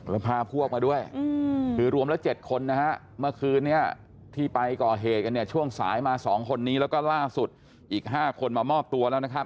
แล้วพาพวกมาด้วยคือรวมแล้ว๗คนนะฮะเมื่อคืนนี้ที่ไปก่อเหตุกันเนี่ยช่วงสายมา๒คนนี้แล้วก็ล่าสุดอีก๕คนมามอบตัวแล้วนะครับ